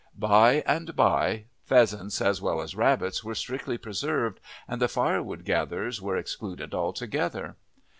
By and by pheasants as well as rabbits were strictly preserved, and the firewood gatherers were excluded altogether.